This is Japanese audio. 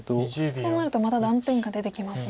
そうなるとまた断点が出てきますよね。